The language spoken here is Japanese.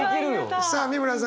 さあ美村さん